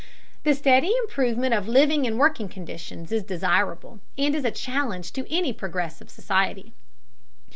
The steady improvement of living and working conditions is desirable, and is a challenge to any progressive society.